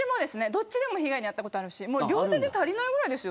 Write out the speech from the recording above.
どっちでも被害に遭ったことあるし両手で足りないぐらいです